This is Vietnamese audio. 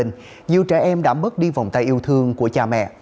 nhiều trẻ em đã mất đi vòng tay yêu thương của cha mẹ